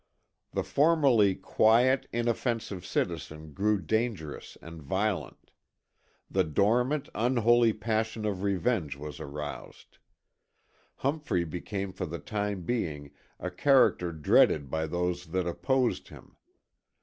The formerly quiet, inoffensive citizen grew dangerous and violent; the dormant, unholy passion of revenge was aroused. Humphrey became for the time being a character dreaded by those that opposed him.